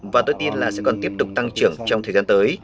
và tôi tin là sẽ còn tiếp tục tăng trưởng trong thời gian tới